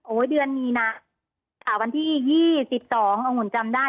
เดือนนี้นะวันที่๒๒องุ่นจำได้